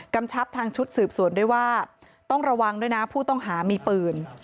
ชับทางชุดสืบสวนด้วยว่าต้องระวังด้วยนะผู้ต้องหามีปืน